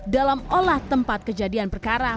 dalam olah tempat kejadian perkara